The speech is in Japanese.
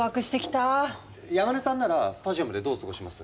山根さんならスタジアムでどう過ごします？